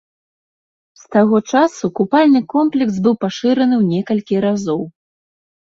З таго часу купальны комплекс быў пашыраны ў некалькі разоў.